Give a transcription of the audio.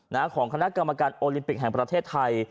ของคณะกรรมการโอลิมปิกแห่งประเทศไทย